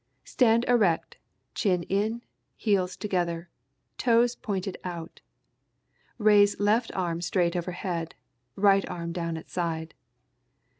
_] Stand erect, chin in, heels together, toes pointed out, raise left arm straight over head, right arm down at side.